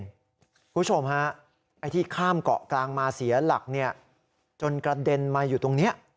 คุณผู้ชมฮะไอ้ที่ข้ามเกาะกลางมาเสียหลักจนกระเด็นมาอยู่ตรงนี้